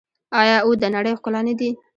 آیا او د نړۍ ښکلا نه دي؟